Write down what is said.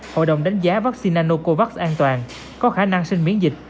hội đồng đánh giá vaccine nanocovax an toàn có khả năng sinh miễn dịch